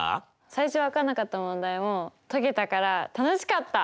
最初分かんなかった問題も解けたから楽しかった！